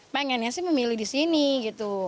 pengennya sih memilih di sini gitu